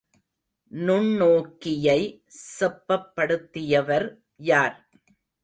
நுண்ணோக்கியை செப்பப்படுத்தியவர் யார்?